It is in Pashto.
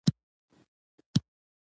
ارزو په بیړه کې وه.